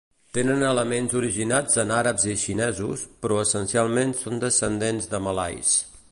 Tenen elements originats en àrabs i xinesos, però essencialment són descendents de malais.